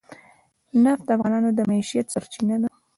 نفت د افغانانو د معیشت سرچینه ده.